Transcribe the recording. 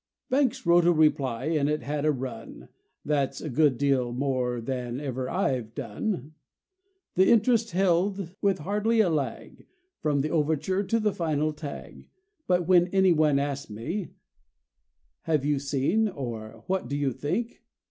Banks wrote a play, and it had a run. (That's a good deal more than ever I've[A] done.) The interest held with hardly a lag From the overture to the final tag. But when any one asked me[A]: "Have you seen?" Or: "What do you think?"